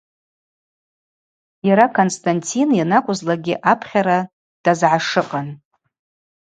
Йара Константин йанакӏвызлакӏгьи апхьара дазгӏашыкъын.